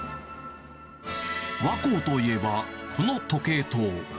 和光といえば、この時計塔。